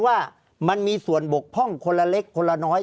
ภารกิจสรรค์ภารกิจสรรค์